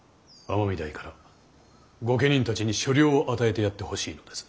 尼御台から御家人たちに所領を与えてやってほしいのです。